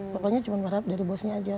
papanya cuma merahap dari bosnya aja